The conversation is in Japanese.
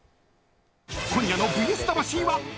今夜の「ＶＳ魂」は。